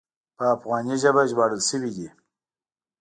په افغاني ژبه ژباړل شوی دی.